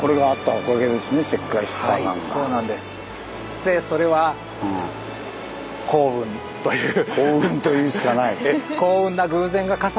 そしてそれは幸運という。